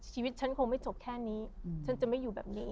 ชีวิตฉันคงไม่จบแค่นี้ฉันจะไม่อยู่แบบนี้